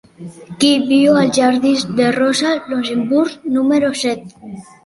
Qui viu als jardins de Rosa Luxemburg número set?